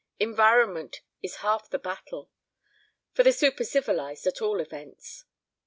Environment is half the battle for the super civilized, at all events.